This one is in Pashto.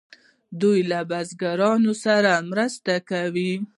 دوی له بزګرانو سره مرسته کوي.